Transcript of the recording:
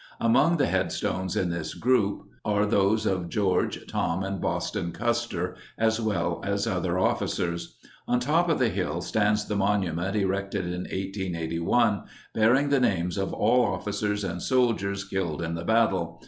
Among the headstones in this group are those of George, Tom, and Boston Custer as well as other officers. On top of the hill stands the monument erected in 1881 bearing the names of all officers and soldiers killed in the battle.